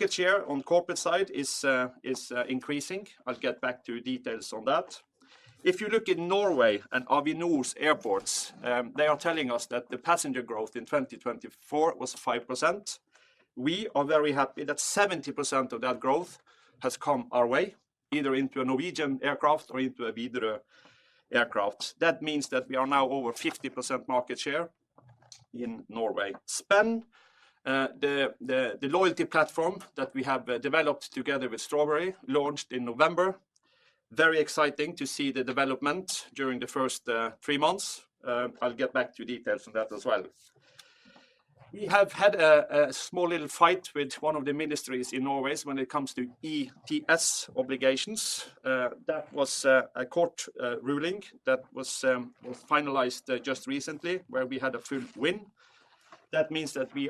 The share on corporate side is increasing. I'll get back to details on that. If you look in Norway and Avinor's airports, they are telling us that the passenger growth in 2024 was 5%. We are very happy that 70% of that growth has come our way, either into a Norwegian aircraft or into a Widerøe aircraft. That means that we are now over 50% market share in Norway. Spenn, the loyalty platform that we have developed together with Strawberry, launched in November. Very exciting to see the development during the first three months. I'll get back to details on that as well. We have had a small little fight with one of the ministries in Norway when it comes to ETS obligations. That was a court ruling that was finalized just recently, where we had a full win. That means that we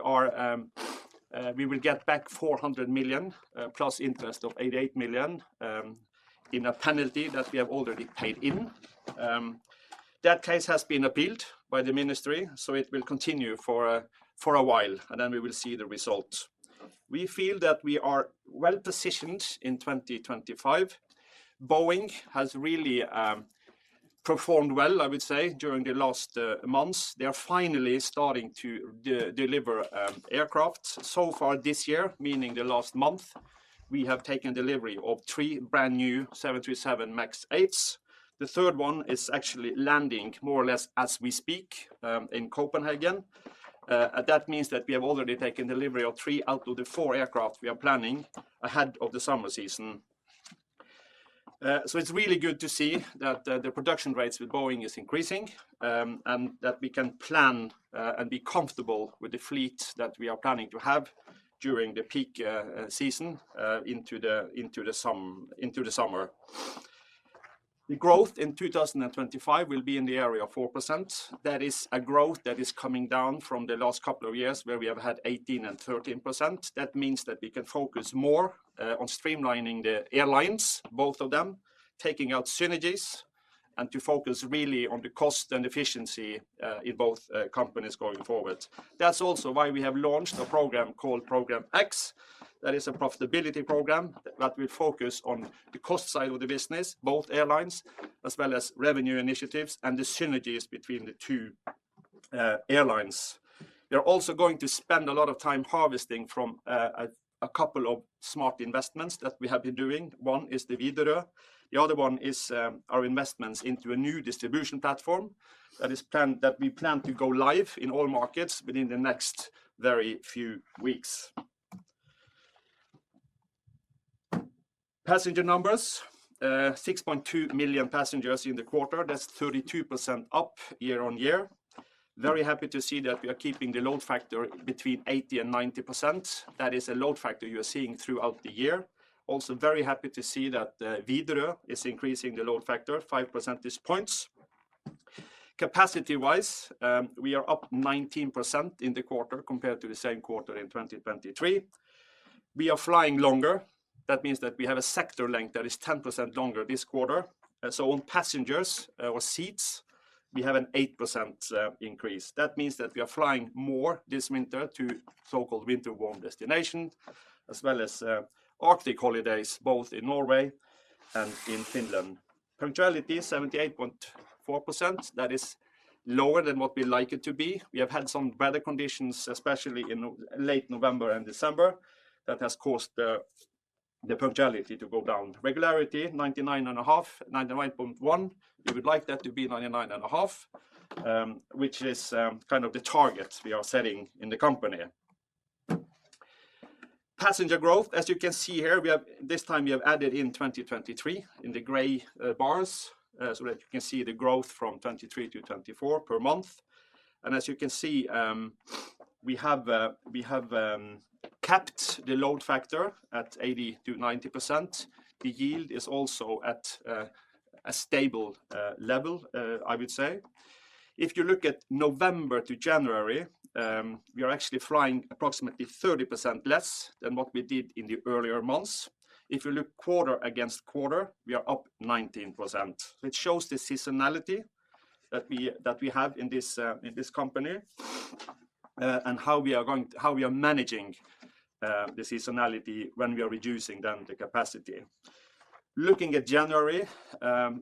will get back 400 million plus interest of 88 million in a penalty that we have already paid in. That case has been appealed by the ministry, so it will continue for a while, and then we will see the results. We feel that we are well positioned in 2025. Boeing has really performed well, I would say, during the last months. They are finally starting to deliver aircraft. So far this year, meaning the last month, we have taken delivery of three brand new 737 MAX 8s. The third one is actually landing more or less as we speak in Copenhagen. That means that we have already taken delivery of three out of the four aircraft we are planning ahead of the summer season. It's really good to see that the production rates with Boeing are increasing and that we can plan and be comfortable with the fleet that we are planning to have during the peak season into the summer. The growth in 2025 will be in the area of 4%. That is a growth that is coming down from the last couple of years where we have had 18% and 13%. That means that we can focus more on streamlining the airlines, both of them, taking out synergies, and to focus really on the cost and efficiency in both companies going forward. That's also why we have launched a program called Program X. That is a profitability program that will focus on the cost side of the business, both airlines as well as revenue initiatives and the synergies between the two airlines. We are also going to spend a lot of time harvesting from a couple of smart investments that we have been doing. One is Widerøe. The other one is our investments into a new distribution platform that we plan to go live in all markets within the next very few weeks. Passenger numbers, 6.2 million passengers in the quarter. That's 32% up year-on-year. Very happy to see that we are keeping the load factor between 80% and 90%. That is a load factor you are seeing throughout the year. Also very happy to see that Widerøe is increasing the load factor by 5 percentage points. Capacity-wise, we are up 19% in the quarter compared to the same quarter in 2023. We are flying longer. That means that we have a sector length that is 10% longer this quarter. So on passengers or seats, we have an 8% increase. That means that we are flying more this winter to so-called winter warm destinations as well as Arctic holidays, both in Norway and in Finland. Punctuality, 78.4%. That is lower than what we like it to be. We have had some weather conditions, especially in late November and December, that have caused the punctuality to go down. Regularity, 99.5%, 99.1%. We would like that to be 99.5%, which is kind of the target we are setting in the company. Passenger growth, as you can see here, this time we have added in 2023 in the gray bars so that you can see the growth from 2023 to 2024 per month. And as you can see, we have capped the load factor at 80%-90%. The yield is also at a stable level, I would say. If you look at November to January, we are actually flying approximately 30% less than what we did in the earlier months. If you look quarter against quarter, we are up 19%. It shows the seasonality that we have in this company and how we are managing the seasonality when we are reducing then the capacity. Looking at January,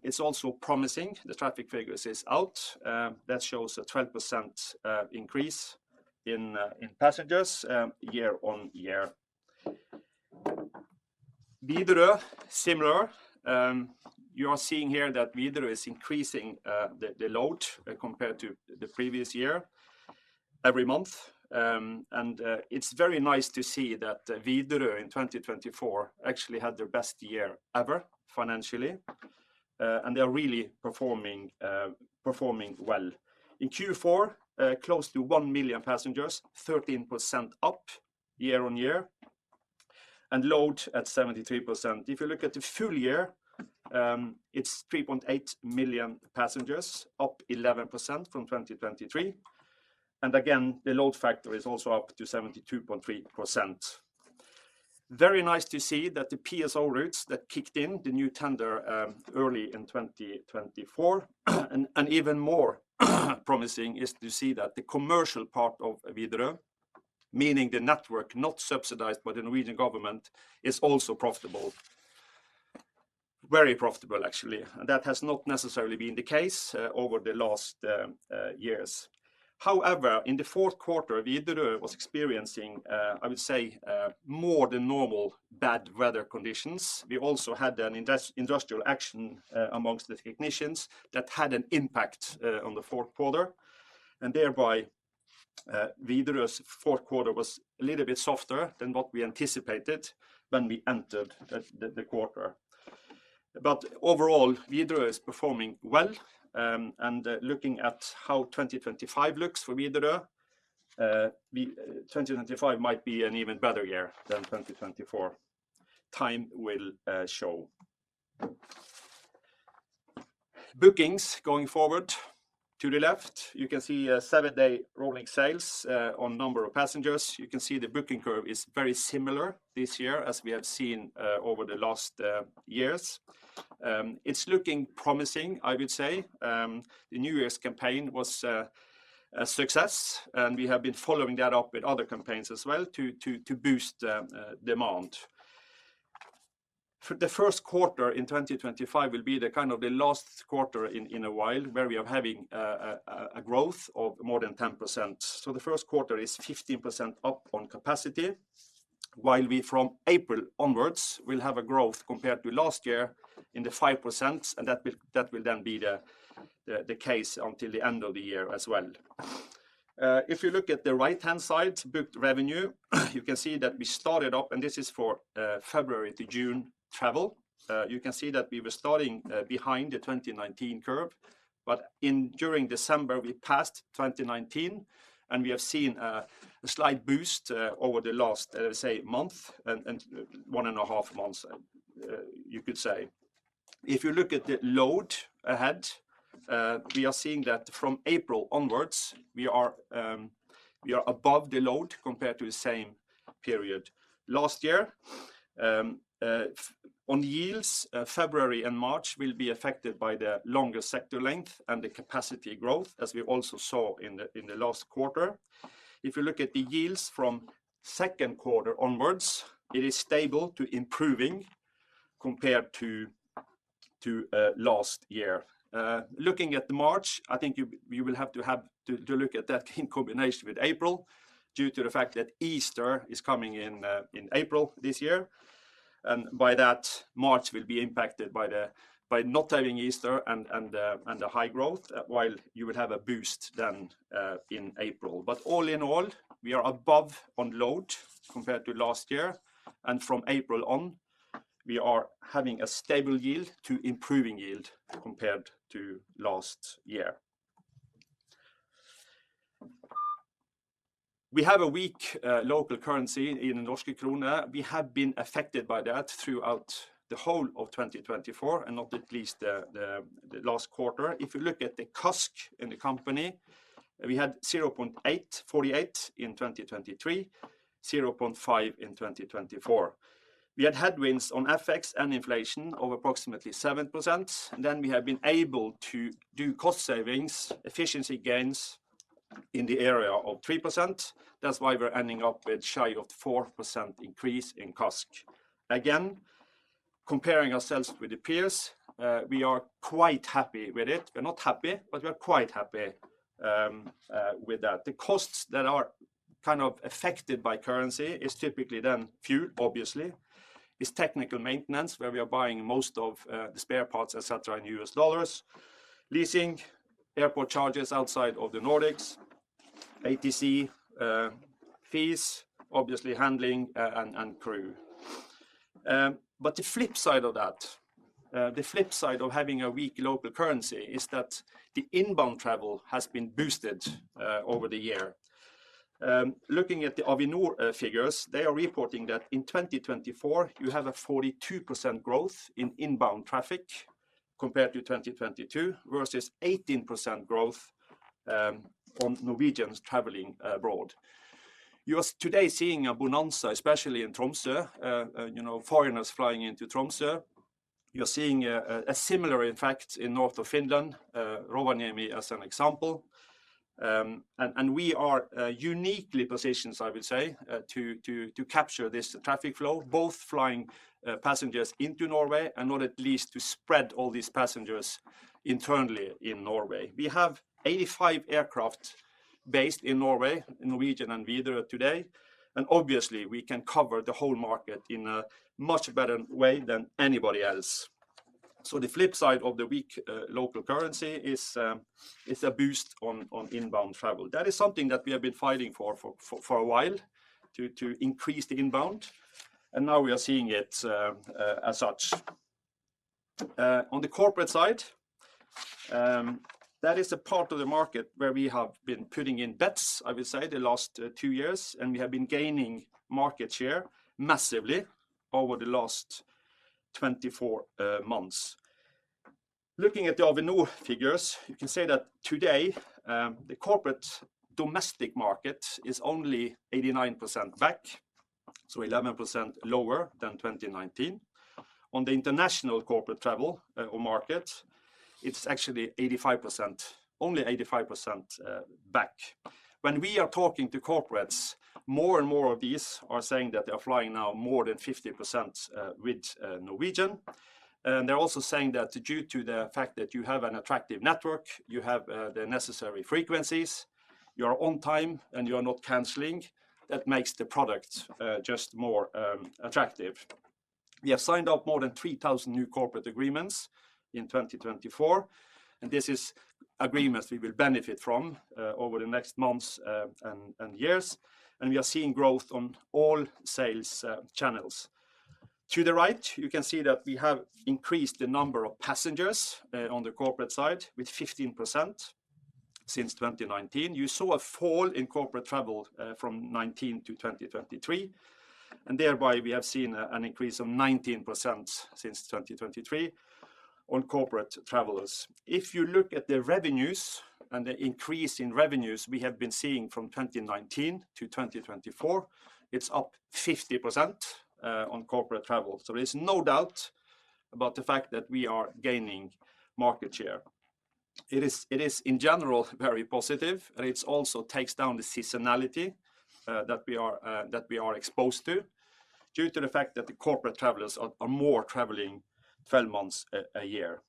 it's also promising. The traffic figures are out. That shows a 12% increase in passengers year on year. Widerøe, similar. You are seeing here that Widerøe is increasing the load compared to the previous year every month, and it's very nice to see that Widerøe in 2024 actually had their best year ever financially, and they are really performing well. In Q4, close to one million passengers, 13% up year-on-year, and load at 73%. If you look at the full year, it's 3.8 million passengers, up 11% from 2023. And again, the load factor is also up to 72.3%. Very nice to see that the PSO routes that kicked in, the new tender early in 2024. And even more promising is to see that the commercial part of Widerøe, meaning the network not subsidized by the Norwegian government, is also profitable. Very profitable, actually. And that has not necessarily been the case over the last years. However, in the fourth quarter, Widerøe was experiencing, I would say, more than normal bad weather conditions. We also had an industrial action amongst the technicians that had an impact on the fourth quarter. And thereby, Widerøe's fourth quarter was a little bit softer than what we anticipated when we entered the quarter. But overall, Widerøe is performing well. And looking at how 2025 looks for Widerøe, 2025 might be an even better year than 2024. Time will show. Bookings going forward to the left. You can see a seven-day rolling sales on number of passengers. You can see the booking curve is very similar this year as we have seen over the last years. It's looking promising, I would say. The New Year's campaign was a success, and we have been following that up with other campaigns as well to boost demand. The first quarter in 2025 will be the kind of the last quarter in a while where we are having a growth of more than 10%. So the first quarter is 15% up on capacity, while we from April onwards will have a growth compared to last year in the 5%, and that will then be the case until the end of the year as well. If you look at the right-hand side booked revenue, you can see that we started up, and this is for February to June travel. You can see that we were starting behind the 2019 curve, but during December, we passed 2019, and we have seen a slight boost over the last, I would say, month and one and a half months, you could say. If you look at the load factor ahead, we are seeing that from April onwards, we are above the load factor compared to the same period last year. On yields, February and March will be affected by the longer sector length and the capacity growth, as we also saw in the last quarter. If you look at the yields from second quarter onwards, it is stable to improving compared to last year. Looking at March, I think you will have to look at that in combination with April due to the fact that Easter is coming in April this year. And by that, March will be impacted by not having Easter and the high growth, while you will have a boost then in April. But all in all, we are above on load compared to last year. And from April on, we are having a stable yield to improving yield compared to last year. We have a weak local currency in the Norwegian krone. We have been affected by that throughout the whole of 2024 and not least the last quarter. If you look at the CASK in the company, we had 0.848 in 2023, 0.5 in 2024. We had headwinds on FX and inflation of approximately 7%. Then we have been able to do cost savings, efficiency gains in the area of 3%. That's why we're ending up with a shy of 4% increase in CASK. Again, comparing ourselves with the peers, we are quite happy with it. We're not happy, but we're quite happy with that. The costs that are kind of affected by currency is typically then fuel, obviously. It's technical maintenance where we are buying most of the spare parts, etc., in U.S. dollars. Leasing, airport charges outside of the Nordics, ATC fees, obviously handling and crew. But the flip side of that, the flip side of having a weak local currency is that the inbound travel has been boosted over the year. Looking at the Avinor figures, they are reporting that in 2024, you have a 42% growth in inbound traffic compared to 2022 versus 18% growth on Norwegians traveling abroad. You are today seeing a bonanza, especially in Tromsø, foreigners flying into Tromsø. You're seeing a similar, in fact, in north of Finland, Rovaniemi as an example, and we are uniquely positioned, I would say, to capture this traffic flow, both flying passengers into Norway and not least to spread all these passengers internally in Norway. We have 85 aircraft based in Norway, Norwegian and Widerøe today, and obviously, we can cover the whole market in a much better way than anybody else, so the flip side of the weak local currency is a boost on inbound travel. That is something that we have been fighting for a while to increase the inbound, and now we are seeing it as such. On the corporate side, that is a part of the market where we have been putting in bets, I would say, the last two years. We have been gaining market share massively over the last 24 months. Looking at the Avinor figures, you can say that today the corporate domestic market is only 89% back, so 11% lower than 2019. On the international corporate travel market, it's actually 85%, only 85% back. When we are talking to corporates, more and more of these are saying that they are flying now more than 50% with Norwegian. They're also saying that due to the fact that you have an attractive network, you have the necessary frequencies, you are on time, and you are not canceling. That makes the product just more attractive. We have signed up more than 3,000 new corporate agreements in 2024. These are agreements we will benefit from over the next months and years. We are seeing growth on all sales channels. To the right, you can see that we have increased the number of passengers on the corporate side with 15% since 2019. You saw a fall in corporate travel from 2019 to 2023, and thereby, we have seen an increase of 19% since 2023 on corporate travelers. If you look at the revenues and the increase in revenues we have been seeing from 2019 to 2024, it's up 50% on corporate travel, so there is no doubt about the fact that we are gaining market share. It is, in general, very positive, and it also takes down the seasonality that we are exposed to due to the fact that the corporate travelers are more traveling 12 months a year.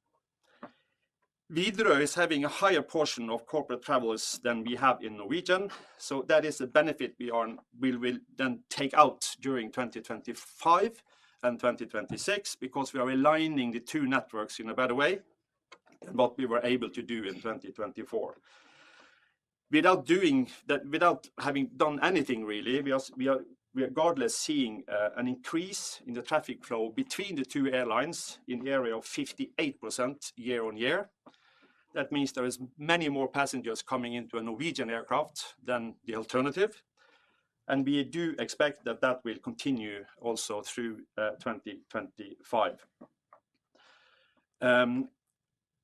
Widerøe is having a higher portion of corporate travelers than we have in Norwegian. So that is a benefit we will then take out during 2025 and 2026 because we are aligning the two networks in a better way than what we were able to do in 2024. Without having done anything, really, we are regardless seeing an increase in the traffic flow between the two airlines in the area of 58% year-on-year. That means there are many more passengers coming into a Norwegian aircraft than the alternative. And we do expect that that will continue also through 2025.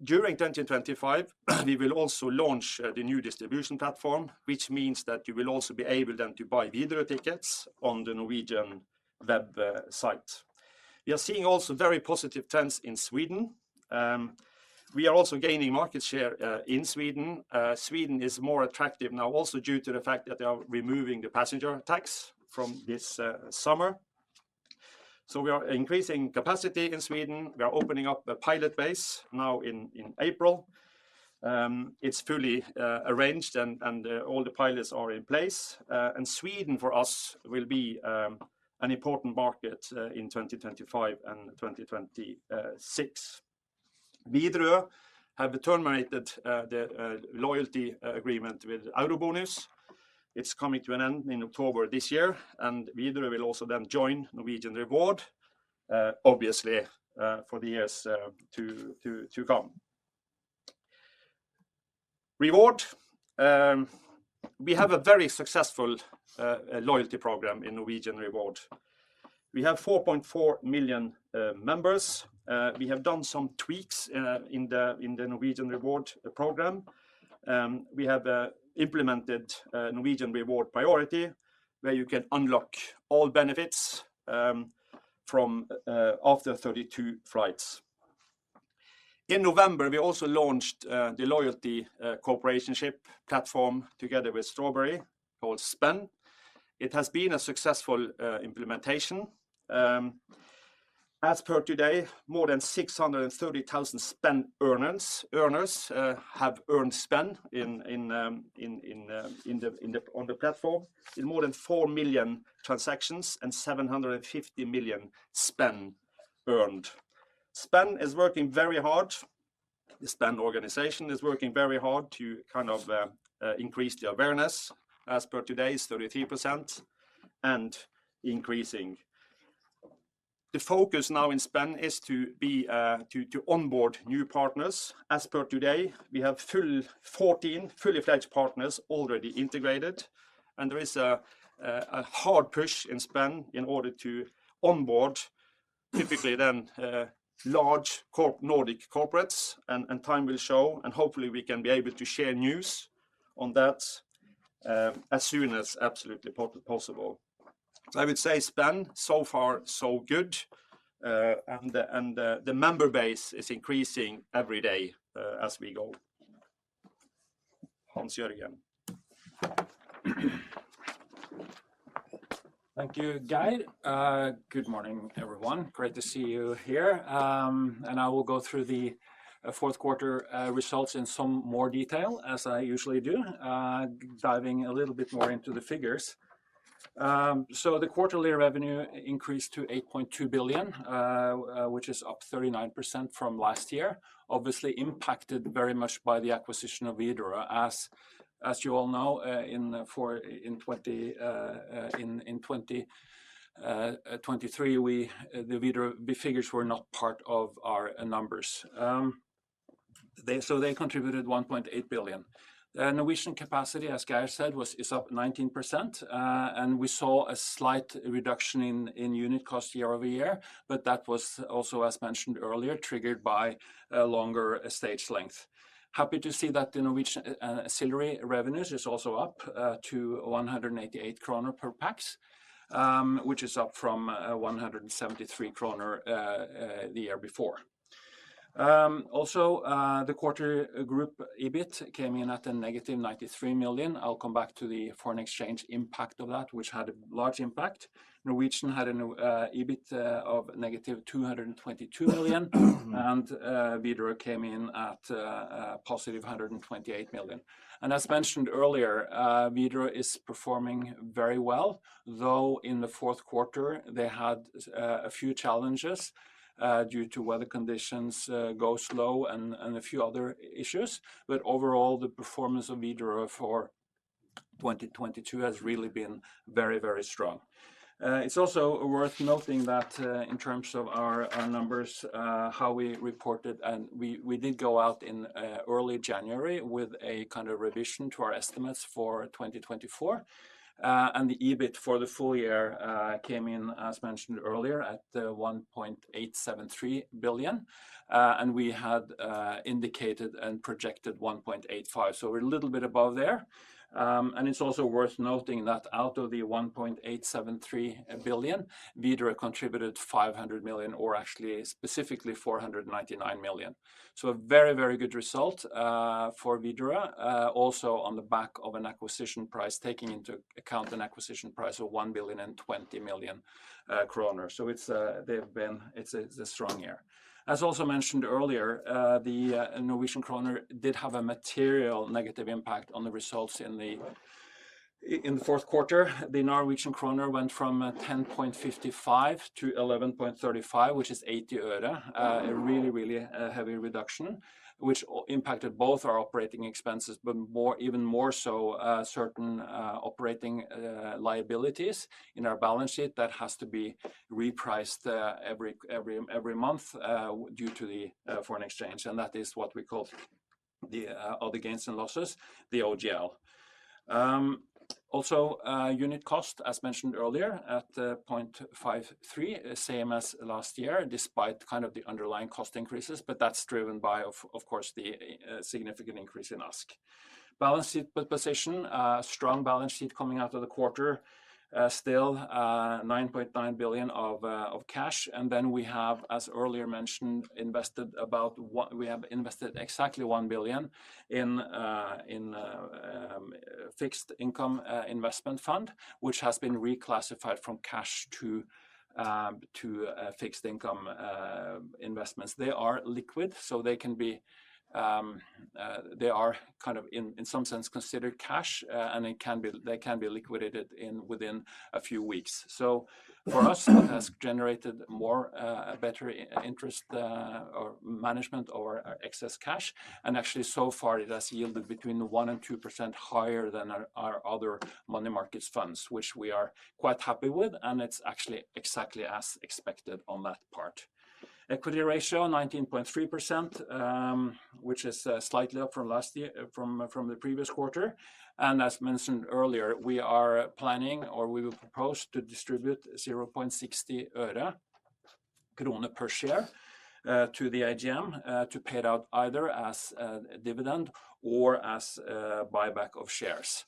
During 2025, we will also launch the new distribution platform, which means that you will also be able then to buy Widerøe tickets on the Norwegian website. We are seeing also very positive trends in Sweden. We are also gaining market share in Sweden. Sweden is more attractive now also due to the fact that they are removing the passenger tax from this summer, so we are increasing capacity in Sweden. We are opening up a pilot base now in April. It's fully arranged and all the pilots are in place, and Sweden for us will be an important market in 2025 and 2026. Widerøe have terminated the loyalty agreement with EuroBonus. It's coming to an end in October this year, and Widerøe will also then join Norwegian Reward, obviously, for the years to come. Reward, we have a very successful loyalty program in Norwegian Reward. We have 4.4 million members. We have done some tweaks in the Norwegian Reward program. We have implemented Norwegian Reward Priority, where you can unlock all benefits after 32 flights. In November, we also launched the loyalty co-ownership platform together with Strawberry, called Spenn. It has been a successful implementation. As per today, more than 630,000 Spenn earners have earned Spenn on the platform in more than 4 million transactions and 750 million Spenn earned. Spenn is working very hard. The Spenn organization is working very hard to kind of increase the awareness. As per today, it's 33% and increasing. The focus now in Spenn is to onboard new partners. As per today, we have 14 fully fledged partners already integrated. There is a hard push in Spenn in order to onboard, typically then large Nordic corporates. Time will show. Hopefully, we can be able to share news on that as soon as absolutely possible. I would say Spenn, so far, so good. The member base is increasing every day as we go. Hans-Jørgen. Thank you, Geir. Good morning, everyone. Great to see you here. I will go through the fourth quarter results in some more detail, as I usually do, diving a little bit more into the figures. The quarterly revenue increased to 8.2 billion, which is up 39% from last year. Obviously, impacted very much by the acquisition of Widerøe. As you all know, in 2023, the Widerøe figures were not part of our numbers. They contributed 1.8 billion. The Norwegian capacity, as Geir said, is up 19%. We saw a slight reduction in unit cost year-over-year. That was also, as mentioned earlier, triggered by a longer stage length. Happy to see that the Norwegian ancillary revenues is also up to 188 kroner per pax, which is up from 173 kroner the year before. Also, the quarter group EBIT came in at negative 93 million. I'll come back to the foreign exchange impact of that, which had a large impact. Norwegian had an EBIT of -222 million, and Widerøe came in at 128 million. As mentioned earlier, Widerøe is performing very well, though in the fourth quarter, they had a few challenges due to weather conditions going slow and a few other issues. But overall, the performance of Widerøe for 2022 has really been very, very strong. It's also worth noting that in terms of our numbers, how we reported, and we did go out in early January with a kind of revision to our estimates for 2024. And the EBIT for the full year came in, as mentioned earlier, at 1.873 billion, and we had indicated and projected 1.85 billion, so we're a little bit above there. It's also worth noting that out of the 1.873 billion, Widerøe contributed 500 million, or actually specifically 499 million. So a very, very good result for Widerøe, also on the back of an acquisition price taking into account an acquisition price of 1.02 billion. So they've been a strong year. As also mentioned earlier, the Norwegian kroner did have a material negative impact on the results in the fourth quarter. The Norwegian kroner went from 10.55 to 11.35, which is NOK 0.80. A really, really heavy reduction, which impacted both our operating expenses, but even more so certain operating liabilities in our balance sheet that has to be repriced every month due to the foreign exchange. And that is what we called the gains and losses, the OGL. Also, unit cost, as mentioned earlier, at 0.53, same as last year, despite kind of the underlying cost increases. But that's driven by, of course, the significant increase in ASK. Balance sheet position, strong balance sheet coming out of the quarter, still 9.9 billion of cash. And then we have, as earlier mentioned, we have invested exactly 1 billion in fixed income investment fund, which has been reclassified from cash to fixed income investments. They are liquid, so they are kind of, in some sense, considered cash. And they can be liquidated within a few weeks. So for us, it has generated a better interest or management over excess cash. And actually, so far, it has yielded between 1%-2% higher than our other money markets funds, which we are quite happy with. And it's actually exactly as expected on that part. Equity ratio, 19.3%, which is slightly up from the previous quarter. As mentioned earlier, we are planning, or we will propose to distribute NOK 0.60 per share to the AGM to pay it out either as a dividend or as a buyback of shares.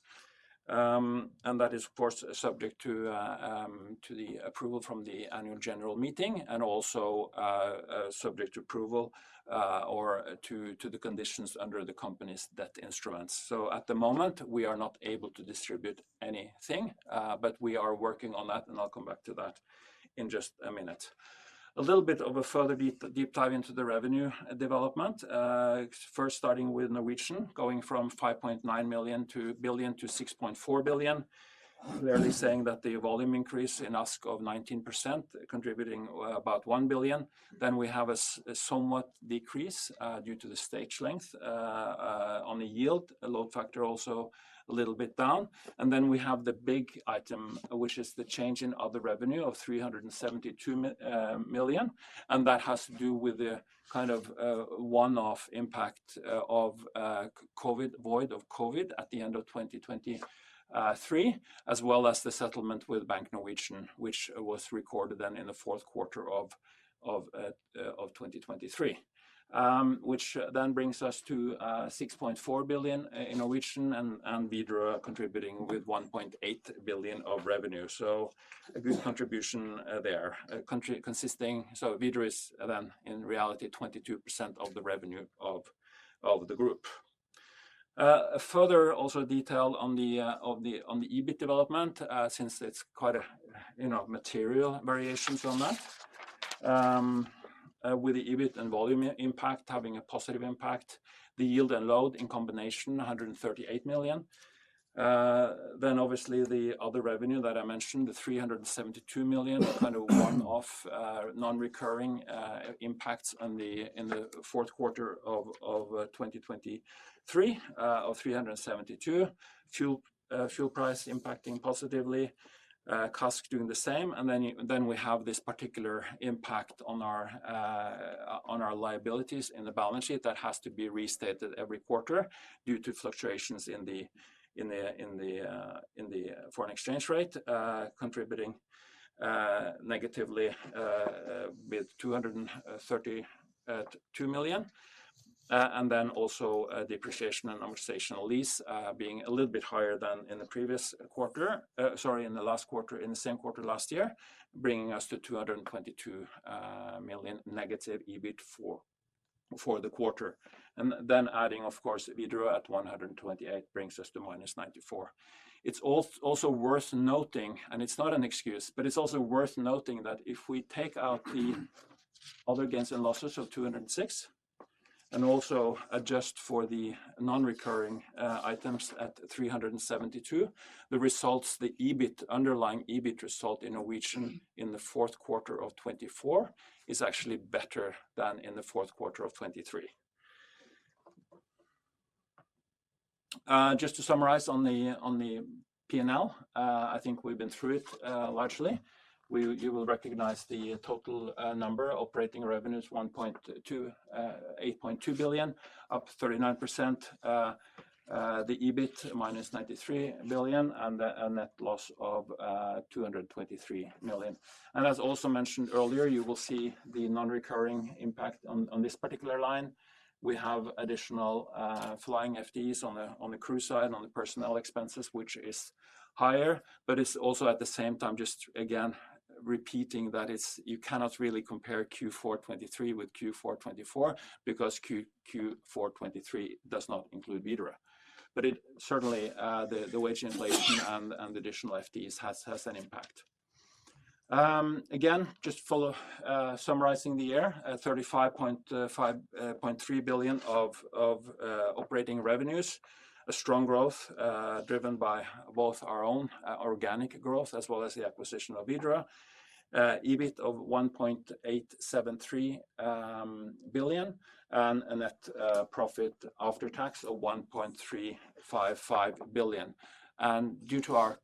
That is, of course, subject to the approval from the annual general meeting and also subject to approval or to the conditions under the company's debt instruments. At the moment, we are not able to distribute anything. We are working on that. I'll come back to that in just a minute. A little bit of a further deep dive into the revenue development, first starting with Norwegian, going from 5.9 million to 6.4 billion, clearly saying that the volume increase in ASK of 19% contributing about 1 billion. Then we have a somewhat decrease due to the stage length on the yield. Load factor also a little bit down. And then we have the big item, which is the change in other revenue of 372 million. And that has to do with the kind of one-off impact of COVID void of COVID at the end of 2023, as well as the settlement with Bank Norwegian, which was recorded then in the fourth quarter of 2023, which then brings us to 6.4 billion in Norwegian and Widerøe contributing with 1.8 billion of revenue. So a good contribution there. So Widerøe is then, in reality, 22% of the revenue of the group. Further also detail on the EBIT development, since it is quite a material variation on that, with the EBIT and volume impact having a positive impact, the yield and load in combination, 138 million. Then, obviously, the other revenue that I mentioned, the 372 million, kind of one-off non-recurring impacts in the fourth quarter of 2023 of 372 million, fuel price impacting positively, CASK doing the same. And then we have this particular impact on our liabilities in the balance sheet that has to be restated every quarter due to fluctuations in the foreign exchange rate, contributing negatively with 232 million. And then also depreciation and amortization of lease being a little bit higher than in the previous quarter, sorry, in the last quarter, in the same quarter last year, bringing us to 222 million negative EBIT for the quarter. And then adding, of course, Widerøe at 128 million brings us to minus 94 million. It's also worth noting, and it's not an excuse, but it's also worth noting that if we take out the other gains and losses of 206 million and also adjust for the non-recurring items at 372 million, the results, the underlying EBIT result in Norwegian in the fourth quarter of 2024 is actually better than in the fourth quarter of 2023. Just to summarize on the P&L, I think we've been through it largely. You will recognize the total number, operating revenues 1.82 billion, up 39%, the EBIT minus 93 million, and a net loss of 223 million, and as also mentioned earlier, you will see the non-recurring impact on this particular line. We have additional flying FTEs on the crew side and on the personnel expenses, which is higher. But it's also at the same time, just again, repeating that you cannot really compare Q4 2023 with Q4 2024 because Q4 2023 does not include Widerøe. But certainly, the wage inflation and additional FTEs has an impact. Again, just summarizing the year, 35.3 billion of operating revenues, a strong growth driven by both our own organic growth as well as the acquisition of Widerøe, EBIT of 1.873 billion, and a net profit after tax of 1.355 billion. And due to our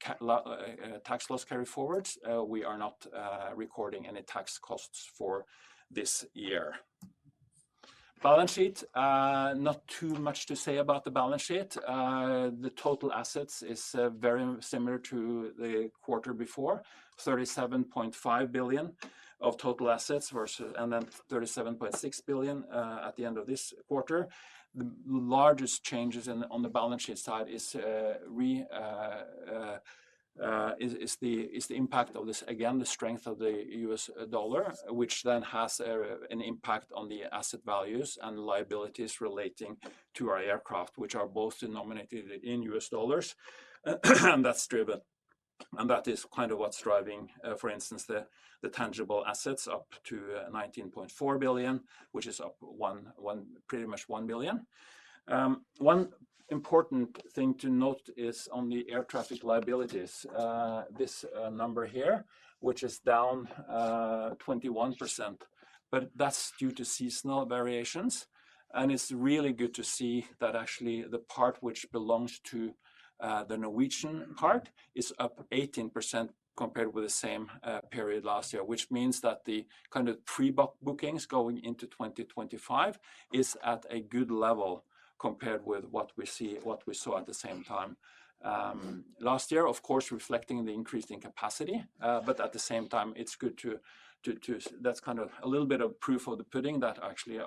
tax loss carry forwards, we are not recording any tax costs for this year. Balance sheet, not too much to say about the balance sheet. The total assets is very similar to the quarter before, 37.5 billion of total assets versus and then 37.6 billion at the end of this quarter. The largest changes on the balance sheet side is the impact of this, again, the strength of the U.S. dollar, which then has an impact on the asset values and liabilities relating to our aircraft, which are both denominated in U.S. dollars. And that's driven. And that is kind of what's driving, for instance, the tangible assets up to 19.4 billion, which is up pretty much 1 billion. One important thing to note is on the air traffic liabilities, this number here, which is down 21%. But that's due to seasonal variations. And it's really good to see that actually the part which belongs to the Norwegian part is up 18% compared with the same period last year, which means that the kind of pre-bookings going into 2025 is at a good level compared with what we saw at the same time last year, of course, reflecting the increased capacity. But at the same time, it's good to that's kind of a little bit of proof of the pudding that actually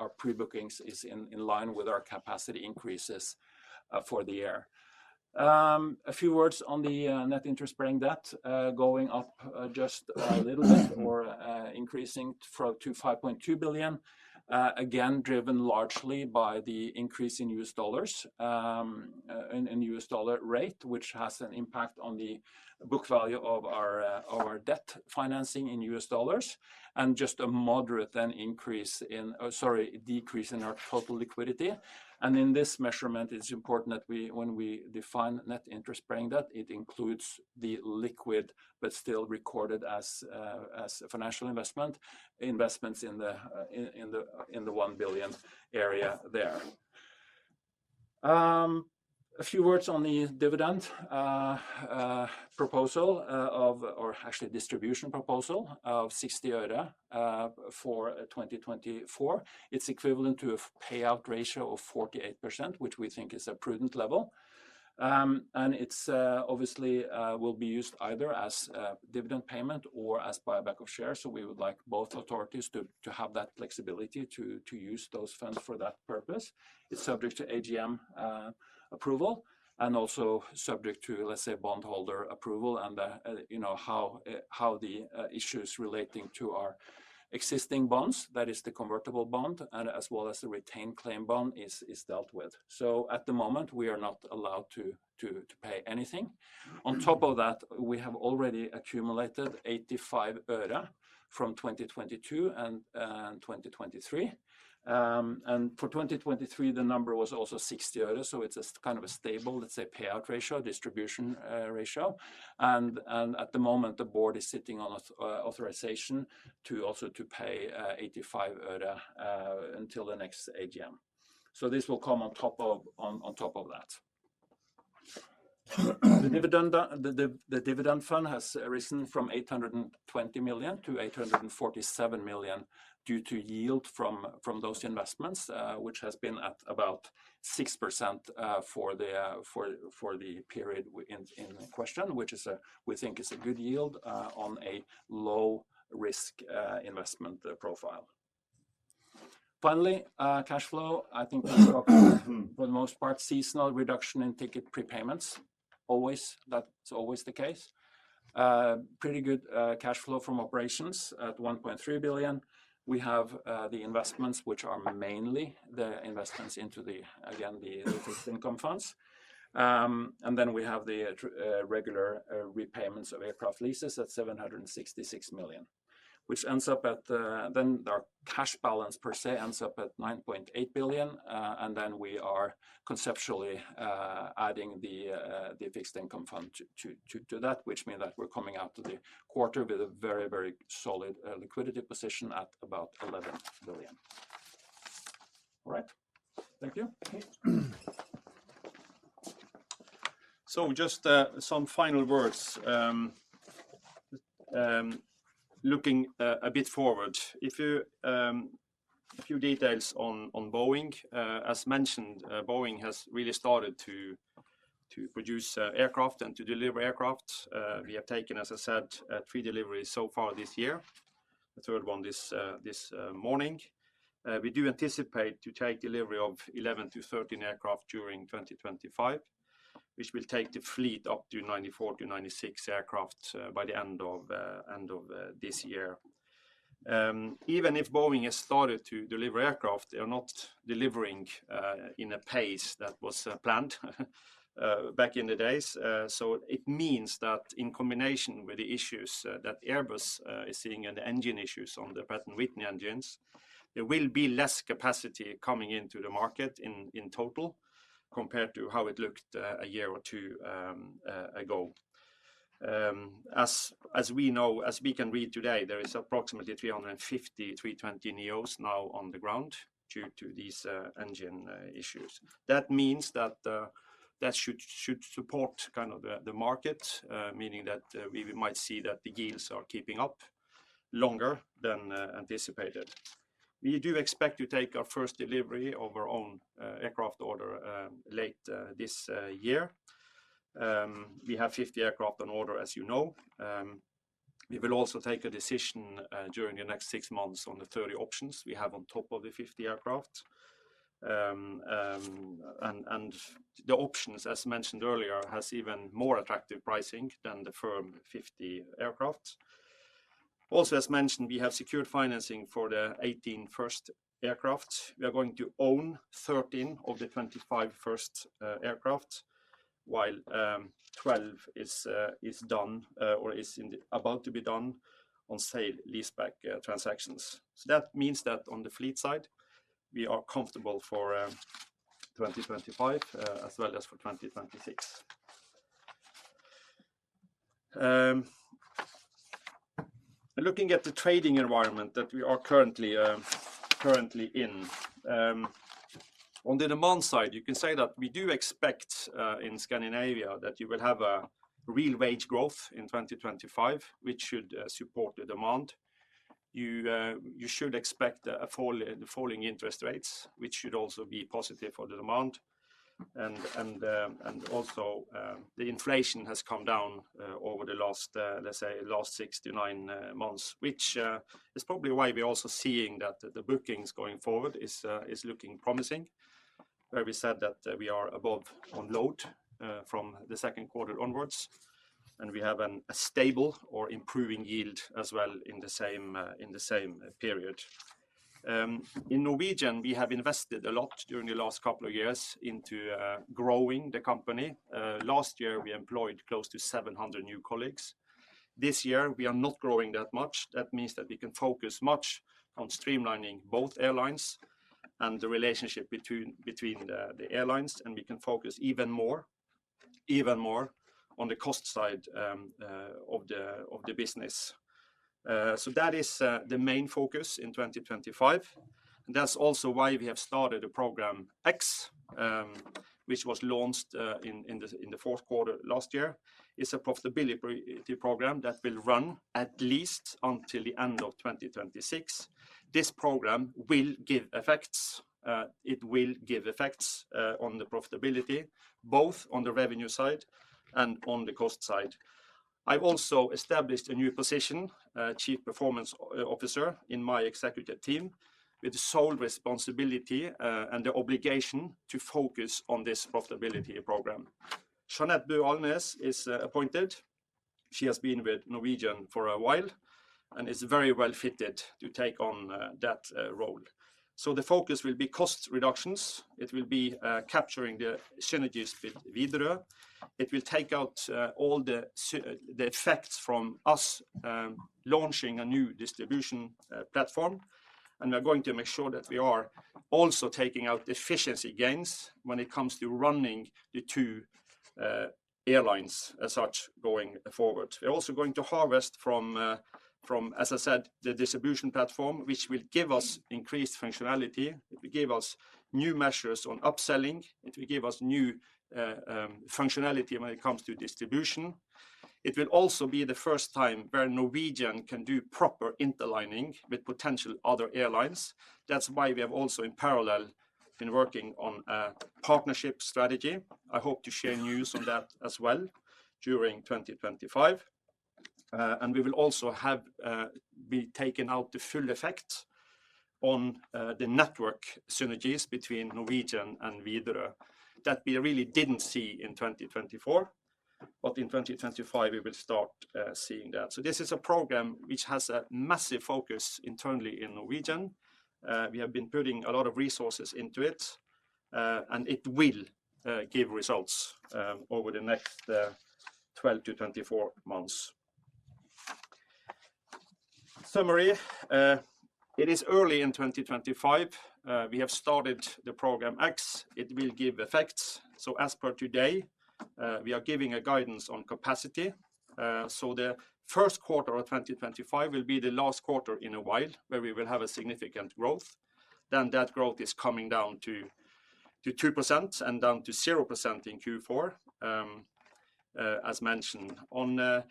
our pre-bookings is in line with our capacity increases for the year. A few words on the net interest bearing debt going up just a little bit or increasing to 5.2 billion, again, driven largely by the increase in U.S. dollars and U.S. dollar rate, which has an impact on the book value of our debt financing in U.S. dollars and just a moderate then increase in, sorry, decrease in our total liquidity. In this measurement, it's important that when we define net interest bearing debt, it includes the liquid, but still recorded as financial investments in the 1 billion area there. A few words on the dividend proposal or actually distribution proposal of 0.60 for 2024. It's equivalent to a payout ratio of 48%, which we think is a prudent level. And it's obviously will be used either as dividend payment or as buyback of shares. So we would like both authorities to have that flexibility to use those funds for that purpose. It's subject to AGM approval and also subject to, let's say, bondholder approval and how the issues relating to our existing bonds, that is the convertible bond and as well as the retained claim bond is dealt with. So at the moment, we are not allowed to pay anything. On top of that, we have already accumulated NOK 0.85 from 2022 and 2023. And for 2023, the number was also 0.60. So it's kind of a stable, let's say, payout ratio, distribution ratio. And at the moment, the board is sitting on authorization to also pay 0.85 until the next AGM. So this will come on top of that. The dividend fund has risen from 820 million to 847 million due to yield from those investments, which has been at about 6% for the period in question, which we think is a good yield on a low-risk investment profile. Finally, cash flow, I think for the most part, seasonal reduction in ticket prepayments. Always, that's always the case. Pretty good cash flow from operations at 1.3 billion. We have the investments, which are mainly the investments into, again, the fixed income funds. And then we have the regular repayments of aircraft leases at 766 million, which ends up at then our cash balance per se ends up at 9.8 billion. And then we are conceptually adding the fixed income fund to that, which means that we're coming out of the quarter with a very, very solid liquidity position at about 11 billion. All right. Thank you. So just some final words looking a bit forward. A few details on Boeing. As mentioned, Boeing has really started to produce aircraft and to deliver aircraft. We have taken, as I said, three deliveries so far this year. The third one this morning. We do anticipate to take delivery of 11-13 aircraft during 2025, which will take the fleet up to 94-96 aircraft by the end of this year. Even if Boeing has started to deliver aircraft, they are not delivering in a pace that was planned back in the days. It means that in combination with the issues that Airbus is seeing and the engine issues on the Pratt & Whitney engines, there will be less capacity coming into the market in total compared to how it looked a year or two ago. As we know, as we can read today, there is approximately 350 A320neos now on the ground due to these engine issues. That means that that should support kind of the market, meaning that we might see that the yields are keeping up longer than anticipated. We do expect to take our first delivery of our own aircraft order late this year. We have 50 aircraft on order, as you know. We will also take a decision during the next six months on the 30 options we have on top of the 50 aircraft. The options, as mentioned earlier, have even more attractive pricing than the firm 50 aircraft. Also, as mentioned, we have secured financing for the 18 first aircraft. We are going to own 13 of the 25 first aircraft, while 12 is done or is about to be done on sale-leaseback transactions. That means that on the fleet side, we are comfortable for 2025 as well as for 2026. Looking at the trading environment that we are currently in, on the demand side, you can say that we do expect in Scandinavia that you will have a real wage growth in 2025, which should support the demand. You should expect the falling interest rates, which should also be positive for the demand. And also, the inflation has come down over the last, let's say, last six to 9 months, which is probably why we're also seeing that the bookings going forward is looking promising, where we said that we are above on load from the second quarter onwards. And we have a stable or improving yield as well in the same period. In Norwegian, we have invested a lot during the last couple of years into growing the company. Last year, we employed close to 700 new colleagues. This year, we are not growing that much. That means that we can focus much on streamlining both airlines and the relationship between the airlines. And we can focus even more on the cost side of the business. So that is the main focus in 2025. That's also why we have started Program X, which was launched in the fourth quarter last year. It's a profitability program that will run at least until the end of 2026. This program will give effects. It will give effects on the profitability, both on the revenue side and on the cost side. I've also established a new position, Chief Performance Officer in my executive team, with the sole responsibility and the obligation to focus on this profitability program. Jeanette Bø-Alnes is appointed. She has been with Norwegian for a while and is very well fitted to take on that role. So the focus will be cost reductions. It will be capturing the synergies with Widerøe. It will take out all the effects from us launching a new distribution platform. And we're going to make sure that we are also taking out efficiency gains when it comes to running the two airlines as such going forward. We're also going to harvest from, as I said, the distribution platform, which will give us increased functionality. It will give us new measures on upselling. It will give us new functionality when it comes to distribution. It will also be the first time where Norwegian can do proper interlining with potential other airlines. That's why we have also, in parallel, been working on a partnership strategy. I hope to share news on that as well during 2025. And we will also be taking out the full effect on the network synergies between Norwegian and Widerøe. That we really didn't see in 2024, but in 2025, we will start seeing that. So this is a program which has a massive focus internally in Norwegian. We have been putting a lot of resources into it, and it will give results over the next 12 to 24 months. Summary, it is early in 2025. We have started the Program X. It will give effects. So as per today, we are giving a guidance on capacity. So the first quarter of 2025 will be the last quarter in a while where we will have a significant growth. Then that growth is coming down to 2% and down to 0% in Q4, as mentioned. On unit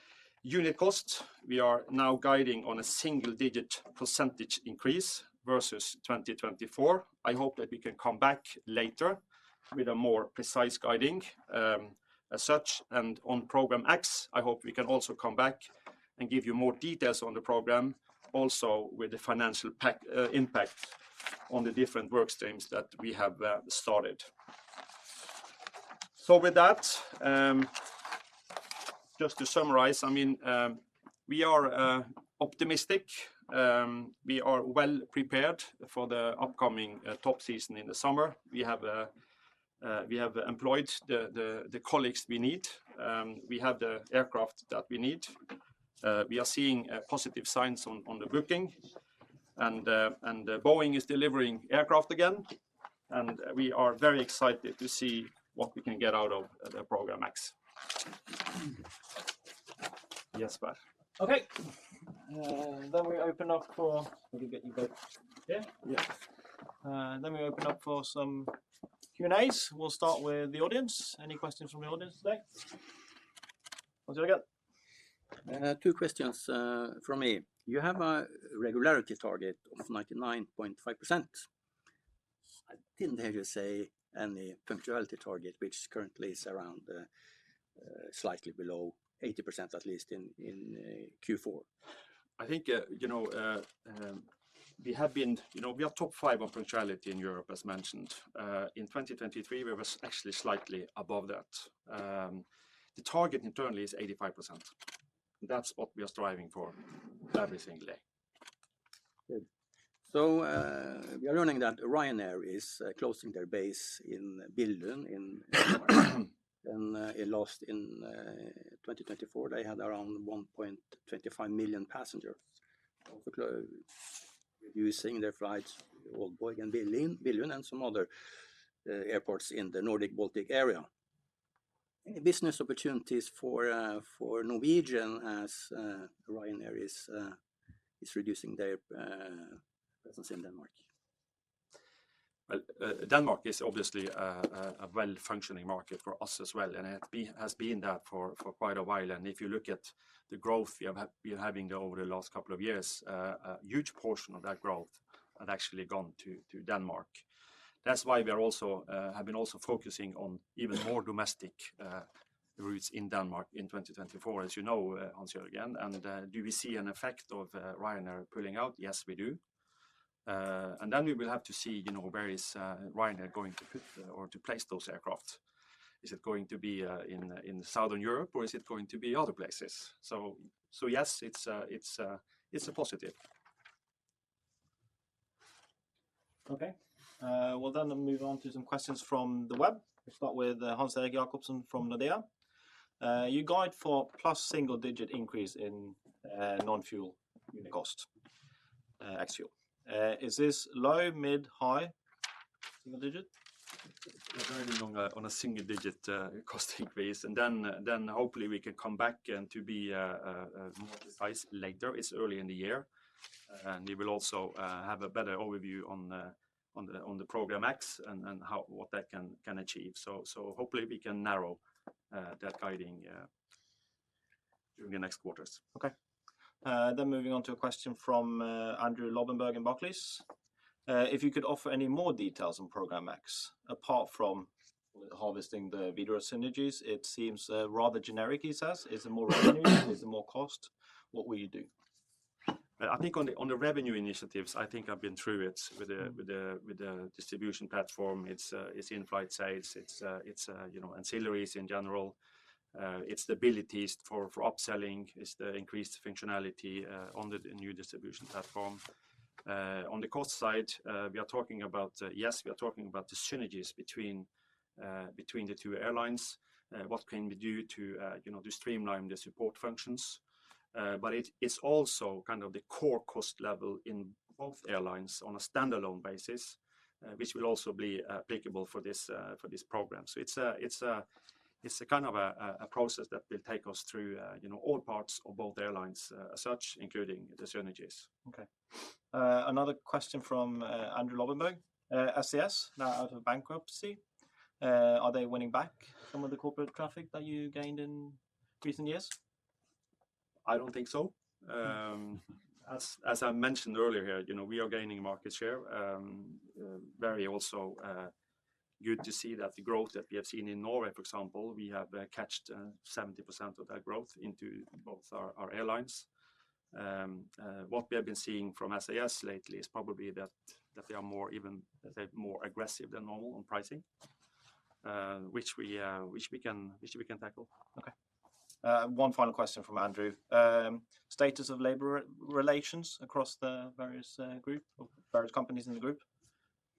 costs, we are now guiding on a single-digit percentage increase versus 2024. I hope that we can come back later with a more precise guidance as such. And on Program X, I hope we can also come back and give you more details on the program, also with the financial impact on the different work streams that we have started. So with that, just to summarize, I mean, we are optimistic. We are well prepared for the upcoming top season in the summer. We have employed the colleagues we need. We have the aircraft that we need. We are seeing positive signs on the booking. Boeing is delivering aircraft again. We are very excited to see what we can get out of Program X. Yes, Pat. Okay. Then we open up for. We can get you both here. Then we open up for some Q&As. We'll start with the audience. Any questions from the audience today? What do you have? Two questions from me. You have a regularity target of 99.5%. I didn't hear you say any punctuality target, which currently is around slightly below 80%, at least in Q4. I think we are top five on punctuality in Europe, as mentioned. In 2023, we were actually slightly above that. The target internally is 85%. That's what we are striving for every single day. We are learning that Ryanair is closing their base in Billund. Last in 2024, they had around 1.25 million passengers, reducing their flights to both Boeing and Billund and some other airports in the Nordic-Baltic area. Any business opportunities for Norwegian as Ryanair is reducing their presence in Denmark? Denmark is obviously a well-functioning market for us as well and has been that for quite a while. If you look at the growth we are having over the last couple of years, a huge portion of that growth had actually gone to Denmark. That's why we have been also focusing on even more domestic routes in Denmark in 2024, as you know, Hans-Jørgen. Do we see an effect of Ryanair pulling out? Yes, we do. We will have to see where is Ryanair going to put or to place those aircraft. Is it going to be in Southern Europe or is it going to be other places? So yes, it's a positive. Okay. Well, then we'll move on to some questions from the web. We'll start with Hans Erik Jacobsen from Nordea. You guide for plus single-digit increase in non-fuel unit cost, ex-fuel. Is this low, mid, high single-digit? We're guiding on a single-digit cost increase. And then hopefully we can come back to be more precise later. It's early in the year. And we will also have a better overview on the Program X and what that can achieve. So hopefully we can narrow that guidance during the next quarters. Okay. Then moving on to a question from Andrew Lobbenberg in Barclays. If you could offer any more details on Program X apart from harvesting the Widerøe synergies, it seems rather generic, he says. Is it more revenue? Is it more cost? What will you do? I think on the revenue initiatives, I think I've been through it with the distribution platform. It's in-flight sales. It's ancillaries in general. It's the abilities for upselling. It's the increased functionality on the new distribution platform. On the cost side, we are talking about, yes, we are talking about the synergies between the two airlines. What can we do to streamline the support functions? But it's also kind of the core cost level in both airlines on a standalone basis, which will also be applicable for this program. So it's a kind of a process that will take us through all parts of both airlines as such, including the synergies. Okay. Another question from Andrew Lobbenberg. SAS, now out of bankruptcy. Are they winning back some of the corporate traffic that you gained in recent years? I don't think so. As I mentioned earlier, we are gaining market share. Very also good to see that the growth that we have seen in Norway, for example, we have caught 70% of that growth into both our airlines. What we have been seeing from SAS lately is probably that they are more aggressive than normal on pricing, which we can tackle. Okay. One final question from Andrew. Status of labor relations across the various companies in the group?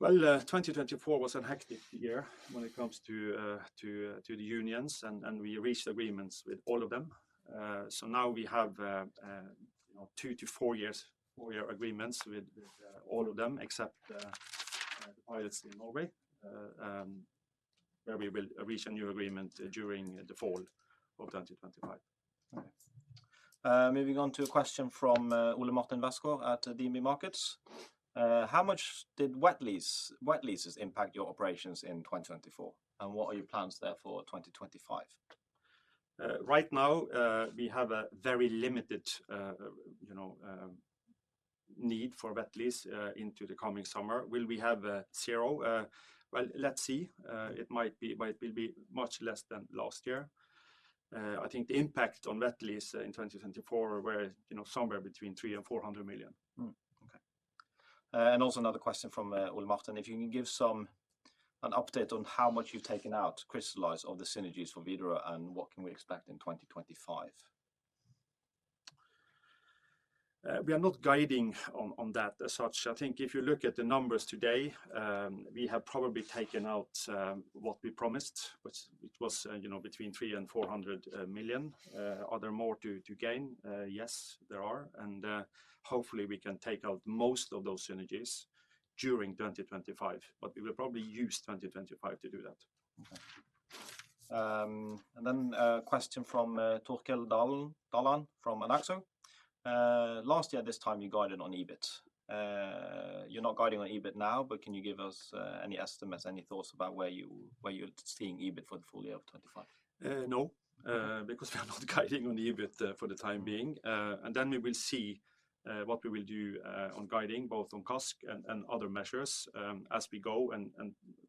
Well, 2024 was a hectic year when it comes to the unions, and we reached agreements with all of them. So now we have two- to four-year agreements with all of them, except the pilots in Norway, where we will reach a new agreement during the fall of 2025. Okay. Moving on to a question from Ole Martin Westgaard at DNB Markets. How much did wet leases impact your operations in 2024? What are your plans there for 2025? Right now, we have a very limited need for wet lease into the coming summer. Will we have zero? Well, let's see. It might be much less than last year. I think the impact on wet lease in 2024 was somewhere between 300 million and 400 million. Okay. And also another question from Ole Martin. If you can give us an update on how much you've taken out, crystallized of the synergies for Widerøe and what can we expect in 2025? We are not guiding on that as such. I think if you look at the numbers today, we have probably taken out what we promised, which was between 300 million and 400 million. Are there more to gain? Yes, there are. And hopefully we can take out most of those synergies during 2025, but we will probably use 2025 to do that. Okay. A question from Torkel Dalan from Anaxo. Last year, this time you guided on EBIT. You're not guiding on EBIT now, but can you give us any estimates, any thoughts about where you're seeing EBIT for the full year of 2025? No, because we are not guiding on EBIT for the time being. We will see what we will do on guiding, both on CASK and other measures as we go and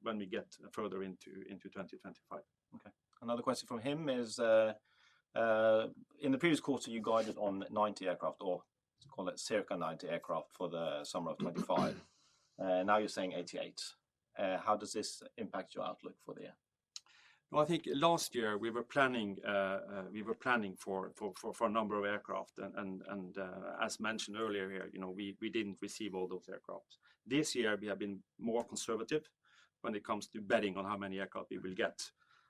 when we get further into 2025. Okay. Another question from him is, in the previous quarter, you guided on 90 aircraft or call it circa 90 aircraft for the summer of 2025. Now you're saying 88. How does this impact your outlook for the year? Well, I think last year we were planning for a number of aircraft. As mentioned earlier here, we didn't receive all those aircraft. This year, we have been more conservative when it comes to betting on how many aircraft we will get.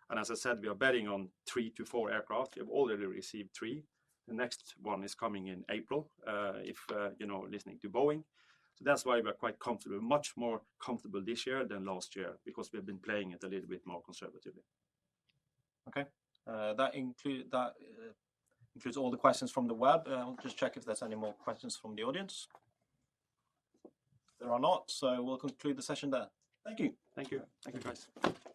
And as I said, we are betting on three to four aircraft. We have already received three. The next one is coming in April, if you're listening to Boeing. So that's why we are quite comfortable, much more comfortable this year than last year, because we have been playing it a little bit more conservatively. Okay. That includes all the questions from the web. I'll just check if there's any more questions from the audience. There are not, so we'll conclude the session there. Thank you. Thank you. Thank you, guys.